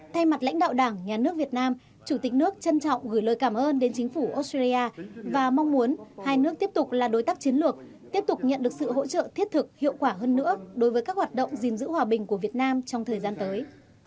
thay mặt lãnh đạo đảng nhà nước việt nam chủ tịch nước trân trọng gửi lời cảm ơn đến chính phủ australia và mong muốn hai nước tiếp tục là đối tác chiến lược tiếp tục nhận được sự hỗ trợ thiết thực hiệu quả hơn nữa đối với các hoạt động gìn giữ hòa bình của việt nam trong thời gian tới